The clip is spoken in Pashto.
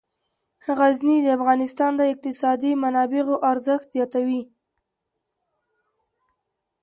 غزني د افغانستان د اقتصادي منابعو ارزښت زیاتوي.